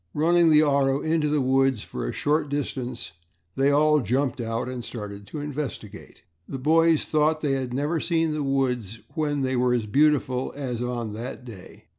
Running the auto into the woods for a short distance, they all jumped out and started to investigate. The boys thought they had never seen the woods when they were as beautiful as on that day.